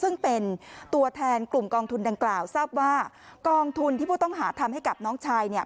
ซึ่งเป็นตัวแทนกลุ่มกองทุนดังกล่าวทราบว่ากองทุนที่ผู้ต้องหาทำให้กับน้องชายเนี่ย